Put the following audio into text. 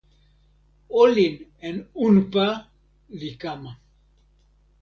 olin en unpa li kama.